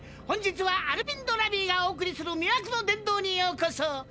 本日はアルヴィンド・ラビィがお送りするみわくの殿堂にようこそ。